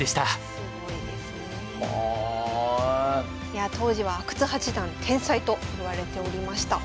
いやあ当時は阿久津八段天才といわれておりました。